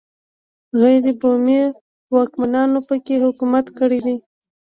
غیر بومي واکمنانو په کې حکومت کړی دی.